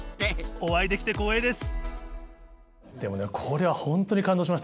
お会いできて光栄です！